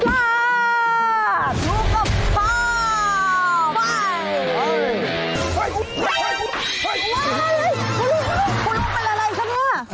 เป็นอะไรคะนี่